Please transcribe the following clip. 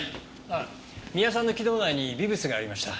あっ三輪さんの気道内に微物がありました。